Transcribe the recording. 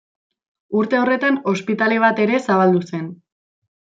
Urte horretan ospitale bat ere zabaldu zen.